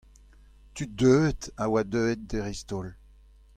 tud deuet a oa deuet dreist-holl.